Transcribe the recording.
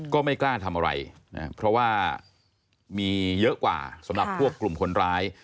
ก็ไม่กล้าทำอะไรนะเพราะว่ามีเยอะกว่าสำหรับพวกกลุ่มคนร้าย